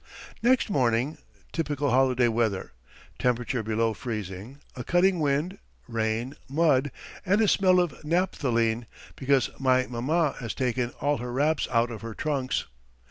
Next morning. Typical holiday weather. Temperature below freezing, a cutting wind, rain, mud, and a smell of naphthaline, because my maman has taken all her wraps out of her trunks.